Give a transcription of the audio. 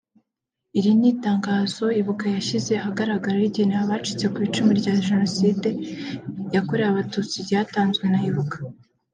Iri ni itangazo Ibuka yashyize ahagaragara rigenewe abacitse ku icumu rya jenoside yakorewe abatutsi ryatanzwe na Ibuka